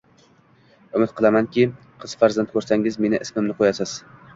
Umid qilamanki, qiz farzand ko`rsangiz meni ismimni qo`yasiz